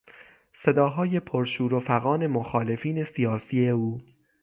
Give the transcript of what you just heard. صداهای پرشور و فغان مخالفین سیاسی او